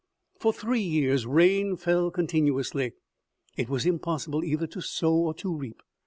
For three years rain fell continuously ; it was impossible either to sow or to reap.